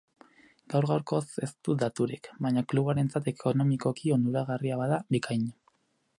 Gaur gaurkoz ez dut daturik, baina klubarentzat ekonomikoki onuragarria bada, bikain.